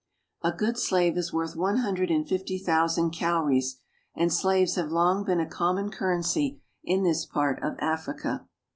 A good slave is worth one hundred and fifty thousand cowries, and slaves have long been a common currency in this part of Africa.